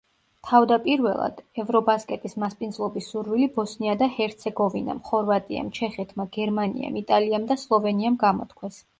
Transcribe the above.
თავდაპირველად, ევრობასკეტის მასპინძლობის სურვილი ბოსნია და ჰერცეგოვინამ, ხორვატიამ, ჩეხეთმა, გერმანიამ, იტალიამ და სლოვენიამ გამოთქვეს.